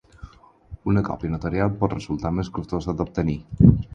Una còpia notarial pot resultar més costosa d'obtenir.